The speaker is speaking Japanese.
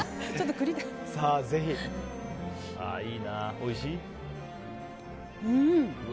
おいしい？